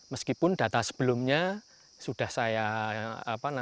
meskipun data sebelumnya sudah saya lakukan